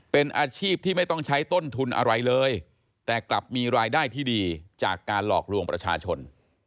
เป็นอาชีพที่ไม่ต้องใช้ต้นทุนอะไรเลยแต่กลับมีรายได้ที่ดีจากการหลอกลวงประชาชน